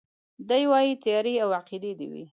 دی وايي تيارې او عقيدې دي وي